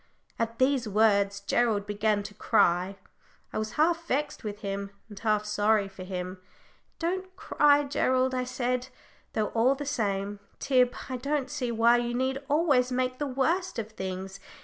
At these words Gerald began to cry. I was half vexed with him, and half sorry for him. "Don't cry, Gerald," I said; "though, all the same, Tib, I don't see why you need always make the worst of things.